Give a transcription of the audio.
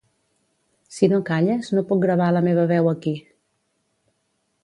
Si no calles, no puc gravar la meva veu aquí.